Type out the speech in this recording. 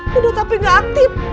sudah tapi gak aktif